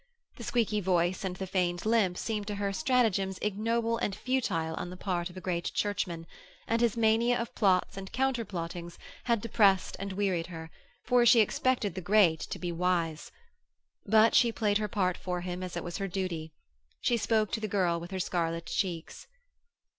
The squeaky voice and the feigned limp seemed to her stratagems ignoble and futile on the part of a great Churchman, and his mania of plots and counter plottings had depressed and wearied her, for she expected the great to be wise. But she played her part for him as it was her duty. She spoke to the girl with her scarlet cheeks.